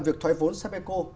việc thoái vốn sapeco